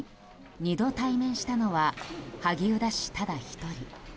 ２度対面したのは萩生田氏ただ一人。